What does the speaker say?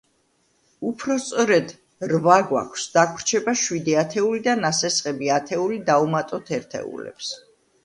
უფრო სწორედ რვა გვაქვს, დაგვრჩება შვიდი ათეული და ნასესხები ათეული დავუმატოთ ერთეულებს.